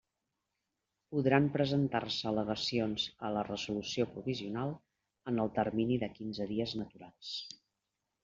Podran presentar-se al·legacions a la resolució provisional en el termini de quinze dies naturals.